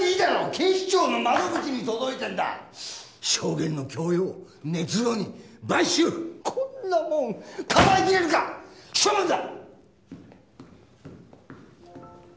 警視庁の窓口に届いてんだ証言の強要捏造に買収こんなもんかばいきれるか処分だ！